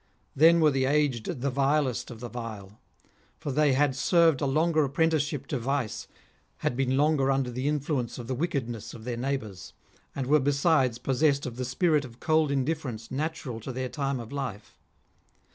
Then were the aged the vilest of the vile; for they had served a longer apprenticeship to vice, had been longer under the influence of the wickedness of their neighbours, and were besides pos sessed of the spirit of cold indifference natural to their time of life.